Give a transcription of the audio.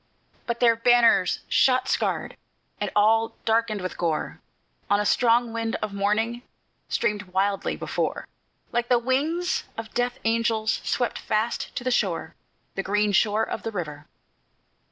But their banners, shot scarred, and all darkened with gore, On a strong wind of morning streamed wildly before, Like the wings of death angels swept fast to the shore, The green shore of the river.